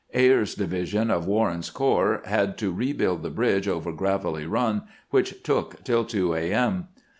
Ayres's division of Warren's corps had to rebuild the bridge over Gravelly Run, which took till 2 a. m.